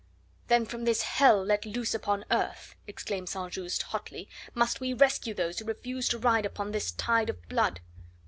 "Then from this hell let loose upon earth," exclaimed St. Just hotly, "must we rescue those who refuse to ride upon this tide of blood."